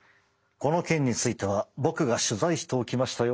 この件については僕が取材しておきましたよ！